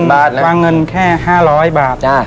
แต่ว่าคนวางเงินแค่๕๐๐บาท